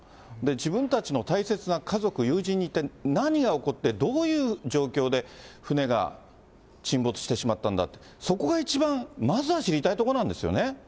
自分たちの大切な家族、友人に、一体何が起こってどういう状況で、船が沈没してしまったんだと、そこが一番、まずは知りたいところなんですよね。